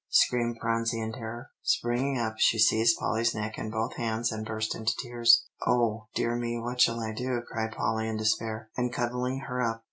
screamed Phronsie in terror; and springing up she seized Polly's neck with both hands, and burst into tears. "Oh, dear me, what shall I do?" cried Polly in despair, and cuddling her up.